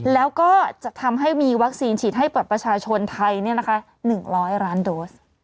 แล้วก็จะทำให้มีวัคซีนฉีดให้เปิดประชาชนไทย๑๐๐ล้านโดส